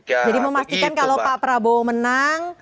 jadi memastikan kalau pak prabowo menang